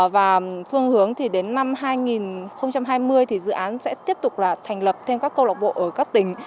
và phương hướng thì đến năm hai nghìn hai mươi thì dự án sẽ tiếp tục là thành lập thêm các câu lạc bộ ở các tỉnh